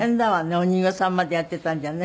お人形さんまでやっていたんじゃね。